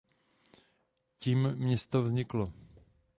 Tím město zaniklo.